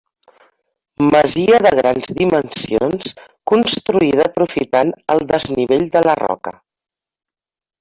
Masia de grans dimensions construïda aprofitant el desnivell de la roca.